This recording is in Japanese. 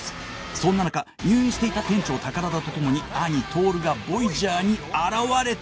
そんな中入院していた店長宝田と共に兄亨が ＶＯＹＡＧＥＲ に現れて